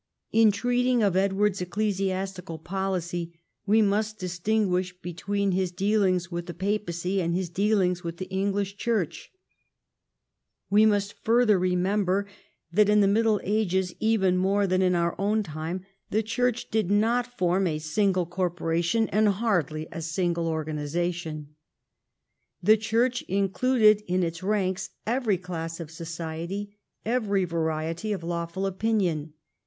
In treating of Edward's ecclesiastical policy we must distinguish between his dealings with the papacy and his dealings with the English Church. We must further remember that in the Middle Ages, even more than in our own time, the Church did not form a single corpora tion and hardly a single organisation. The Church included in its ranks every class of society, every variety of lawful opinion.